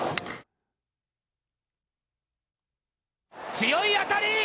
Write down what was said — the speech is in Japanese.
強い当たり！